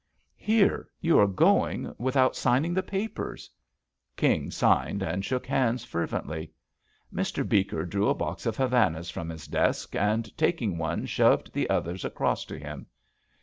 Here, you are going without signing the papers." King signed, and shook hands fer vently. Mr. Becker drew a box of Havanas from his desk and taking one shoved the others across to him.